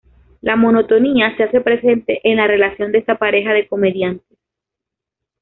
La monotonía se hace presente en la relación de esta pareja de comediantes.